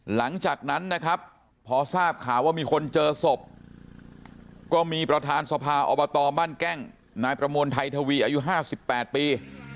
หลังจากนั้นนะครับพอทราบข่าวว่ามีคนเจอศพก็มีประธานสภาอบตบ้านแก้งนายประมวลไทยทวีอายุ๕๘ปี